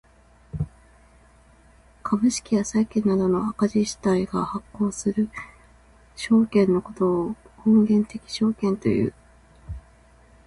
株式や債券などの赤字主体が発行する証券のことを本源的証券という。